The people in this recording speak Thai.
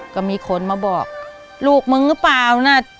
ก็มีคนมาบอกลูกมึงหรือเปล่านะ